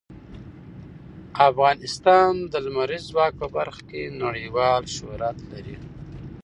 افغانستان د لمریز ځواک په برخه کې نړیوال شهرت لري.